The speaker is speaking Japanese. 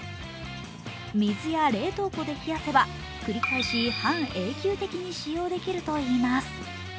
水や冷凍庫で冷やせば、繰り返し半永久的に使用できるといいます。